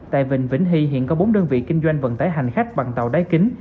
tại vịnh vĩnh hy hiện có bốn đơn vị kinh doanh vận tải hành khách bằng tàu đáy kính